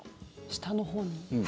下のほうに。